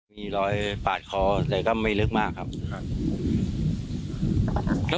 มีรอยปาดคอแต่ก็ไม่ลึกมากครับ